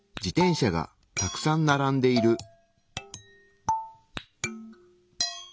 自転車がたくさんならんでいる。